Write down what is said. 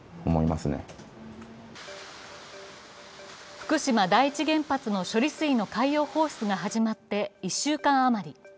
福島第一原発の処理水の海洋放出が始まって１週間余り。